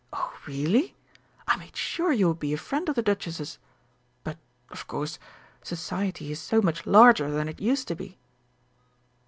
Oh, really? I made sure you would be a friend of the Duchess's but, of course, Society is so much larger than it used to be!"